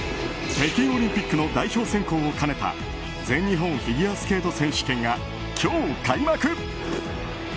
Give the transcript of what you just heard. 北京オリンピックの代表選考を兼ねた全日本フィギュアスケート選手権が今日開幕。